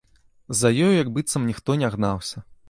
За ёю як быццам ніхто не гнаўся.